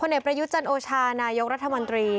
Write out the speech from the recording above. พประยุจันโอชานายกรัฐมนตรี